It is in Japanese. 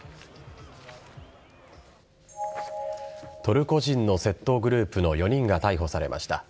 トルコ人の窃盗グループの４人が逮捕されました。